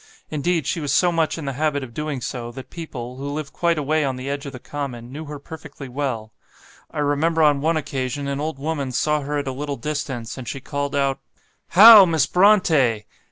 Indeed, she was so much in the habit of doing so, that people, who live quite away on the edge of the common, knew her perfectly well. I remember on one occasion an old woman saw her at a little distance, and she called out, 'How! Miss Brontë!